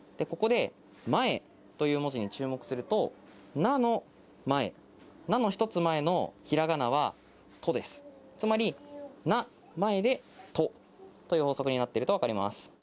ここで「前」という文字に注目すると「な」の前「な」の１つ前の平仮名は「と」ですつまり「な前」で「と」という法則になってると分かります。